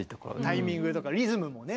タイミングとかリズムもね